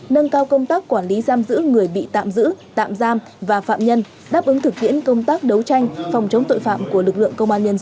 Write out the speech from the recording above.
nâng cao công tác quản lý giam giữ người bị tạm giữ tạm giam và phạm nhân đáp ứng thực tiễn công tác đấu tranh phòng chống tội phạm của lực lượng công an nhân dân